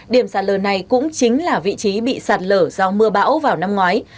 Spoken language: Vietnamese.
điểm sạt lở này cũng chính là vị trí bị sạt lở do mưa bão vào năm ngoái